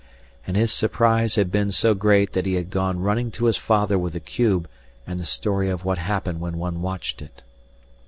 And his surprise had been so great that he had gone running to his father with the cube and the story of what happened when one watched it.